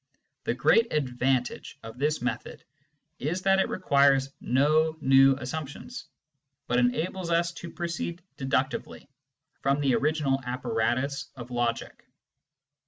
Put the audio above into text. The great advantage of this method is that it requires no new assumptions, but enables us to proceed deductively from the original apparatus of logic.